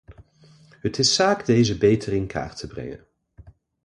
Het is zaak deze beter in kaart te brengen.